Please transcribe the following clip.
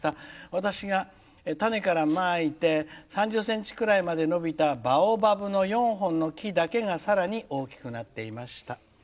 私が、種からまいて３０ｃｍくらいまで伸びたバオバブの４本の木だけがさらに大きくなっていました」。